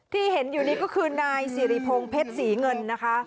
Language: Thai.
ที่เห็นอยู่นี้ก็คือนายสิริพงศ์เพชรศรีเงินนะคะ